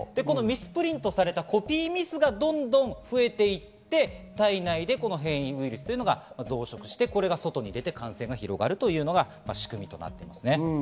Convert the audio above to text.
コピーミスがどんどん増えていって体内で変異ウイルスが増殖してこれが外に出て感染が広がるというのが仕組みとなっていますね。